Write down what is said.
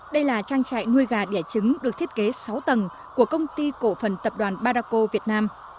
đây là trang trại nuôi gà đẻ trứng được thiết kế sáu tầng của công ty cổ phần tập đoàn baraco việt nam